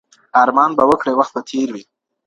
ارمان به وکړې وخت به تېر وي.